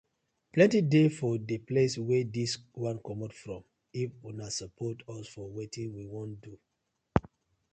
Plenty dey for di place wey dis one comot from if una support us for wetin we won do.